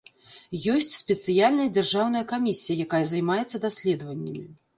Ёсць спецыяльная дзяржаўная камісія, якая займаецца даследаваннямі.